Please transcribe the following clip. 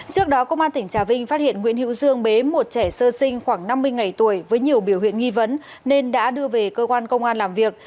trước đó công an tỉnh trà vinh phát hiện nguyễn hữu dương bế một trẻ sơ sinh khoảng năm mươi ngày tuổi với nhiều biểu hiện nghi vấn nên đã đưa về cơ quan công an làm việc